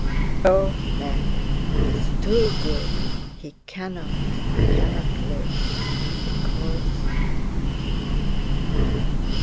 O, Mary, he is too good, he cannot, cannot live, because..."